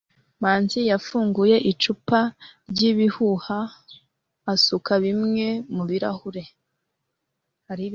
manzi yafunguye icupa ryibihuha asuka bimwe mubirahure